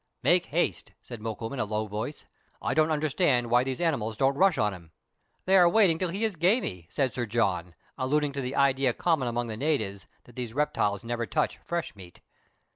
" Make haste," said Mokoum, in a low voice ;" I don't understand why these animals don't rush on him." " They are waiting till he is gamey," said Sir John, alluding to the idea common among the natives that these reptiles never touch fresh meat.